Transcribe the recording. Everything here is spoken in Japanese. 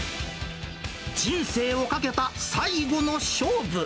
人生をかけた最後の勝負。